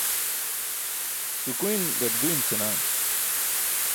Sukuyn gaṭguyn senaan.